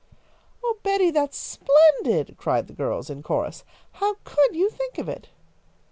"Oh, Betty, that's splendid!" cried the girls, in chorus. "How could you think of it?"